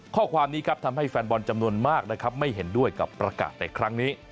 ข้อความนี้ครับทำให้แฟนบอลจำนวนมากนะครับไม่เห็นด้วยกับประกาศในครั้งนี้